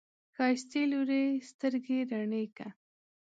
ښايستې لورې، سترګې رڼې که!